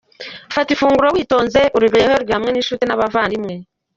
Fata ifunguro witonze, uryoherwe hamwe n’inshuti n’abavandimwe.